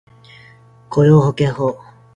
雇用保険法